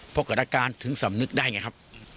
พอเกิดอาการถึงสำนึกได้ไงครับ